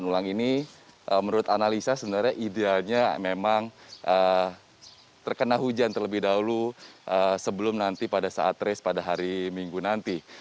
dan kembali ke kondisi yang sudah dilakukan menurut analisa idealnya terkena hujan terlebih dahulu sebelum nanti pada saat res pada hari minggu nanti